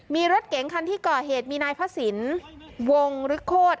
มีรถเก๋งคันที่เกาะเหตุมีนายพระสินวงฤทธิ์โคตร